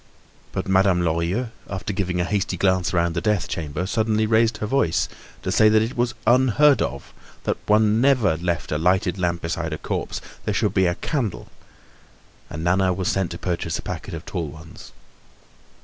But Madame Lorilleux, after giving a hasty glance round the death chamber, suddenly raised her voice to say that it was unheard of, that one never left a lighted lamp beside a corpse; there should be a candle, and Nana was sent to purchase a packet of tall ones.